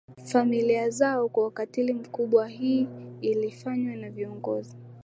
familia zao kwa ukatili mkubwa Hii ilifanywa na viongozi